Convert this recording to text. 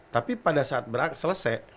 tapi pada saat selesai